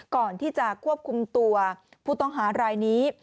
ก่อนที่จะควบคุมตัวผู้ต้องหารายนี้